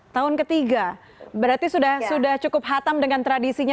tahun ketiga berarti sudah cukup hatam dengan tradisinya